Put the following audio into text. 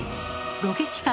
ロケ期間